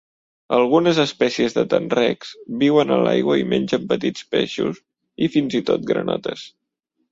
Algunes espècies de tenrecs viuen a l'aigua i mengen petits peixos i fins i tot granotes.